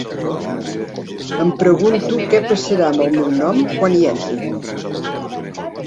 Em pregunto què passarà amb el meu nom quan hi entri.